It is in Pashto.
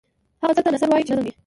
هغه څه ته نثر وايو چې نظم نه وي.